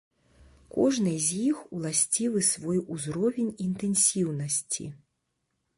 Кожнай з іх уласцівы свой узровень інтэнсіўнасці.